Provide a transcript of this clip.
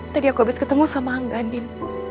tadi aku bisa ketemu sama angganin